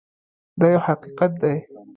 دا یو حقیقت دی.